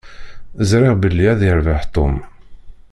Ẓṛiɣ belli ad yerbeḥ Tom.